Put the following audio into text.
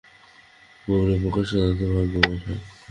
গুবরেপোকারা সাধারণত ভাগ্যবান হয়।